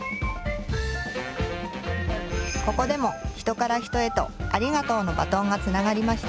ここでも人から人へとありがとうのバトンがつながりました。